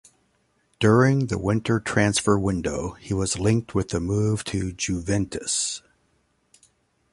During the winter transfer window, he was linked with a move to Juventus.